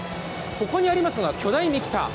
ここにありますのが巨大ミキサー。